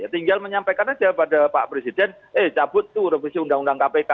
tinggal menyampaikan aja pada pak presiden eh cabut tuh revisi undang undang kpk